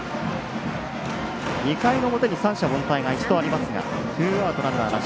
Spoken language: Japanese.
２回の表に三者凡退が１度ありますがツーアウト、ランナーなし。